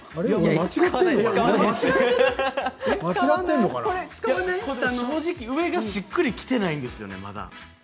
正直、上がしっくりきていないんですよね、まだ。